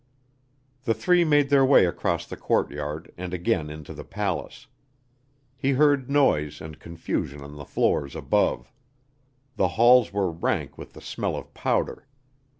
The three made their way across the courtyard and again into the palace. He heard noise and confusion on the floors above. The halls were rank with the smell of powder.